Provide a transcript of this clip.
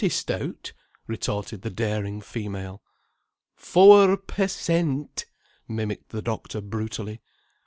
i' stout," retorted the daring female. "Fower per cent.," mimicked the doctor brutally.